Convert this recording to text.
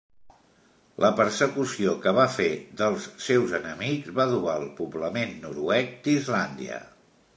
La persecució que va fer dels seus enemics va dur al poblament noruec d'Islàndia.